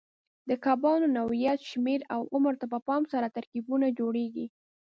د کبانو نوعیت، شمېر او عمر ته په پام سره ترکیبونه جوړېږي.